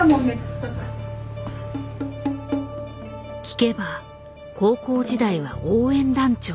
聞けば高校時代は応援団長。